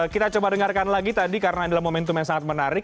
kita coba dengarkan lagi tadi karena adalah momentum yang sangat menarik